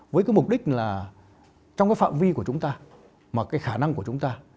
với cái mục đích là trong cái phạm vi của chúng ta mà cái khả năng của chúng ta